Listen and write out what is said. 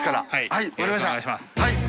はい。